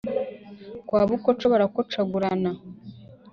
Kwa Bukoco barakocagurana